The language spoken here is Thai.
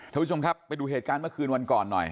ท่านผู้ชมครับไปดูเหตุการณ์เมื่อคืนวันก่อนหน่อย